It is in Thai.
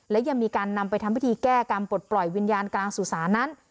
และยังมีการนำไปทำพิธีแก้กรรมปลดปล่อยวิญญาณกลางสุสานั้น